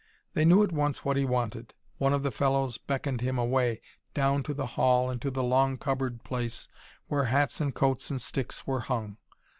They knew at once what he wanted. One of the fellows beckoned him away, down to the hall and to the long cupboard place where hats and coats and sticks were hung.